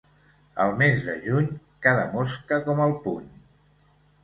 El mes de juny, cada mosca com el puny.